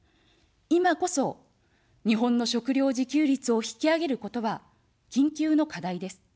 いまこそ、日本の食料自給率を引き上げることは、緊急の課題です。